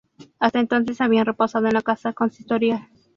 Hasta entonces habían reposado en la Casa Consistorial.